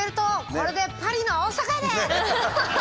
これでパリの大阪やで！」。